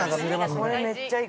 ◆これ、めっちゃいい。